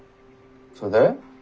それで？